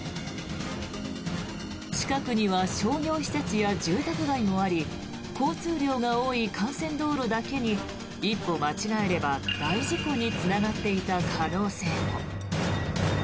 近くには商業施設や住宅街もあり交通量が多い幹線道路だけに一歩間違えれば、大事故につながっていた可能性も。